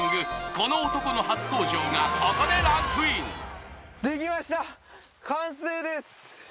この男の初登場がここでランクインできました完成です